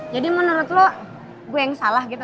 jadi menurut lo gue yang salah gitu